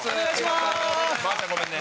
まーちゃんごめんね。